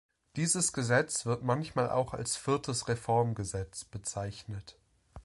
Dieses Gesetz wird manchmal auch als Viertes Reformgesetz bezeichnet.